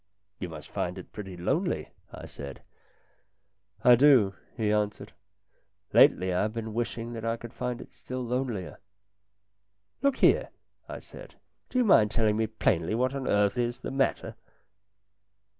" You must find it pretty lonely," I said. " I do," he answered. " Lately I have been wishing that I could find it still lonelier." " Look here," I said, " do you mind telling me plainly what on earth is the matter